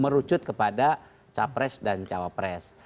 merujut kepada cawapres dan cawapres